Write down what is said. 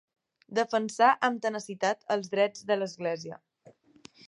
Defensà amb tenacitat els drets de l'església.